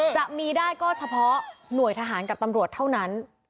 จะมีได้ก็เฉพาะหน่วยทหารกับตำรวจเท่านั้น